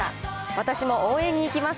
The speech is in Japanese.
私も応援に行きます。